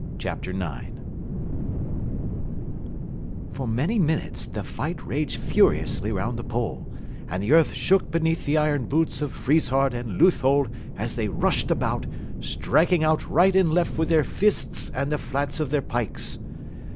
CHAPTER IX For many minutes the fight raged furiously round the pole, and the earth shook beneath the iron boots of Friesshardt and Leuthold as they rushed about, striking out right and left with their fists and the flats of their pikes.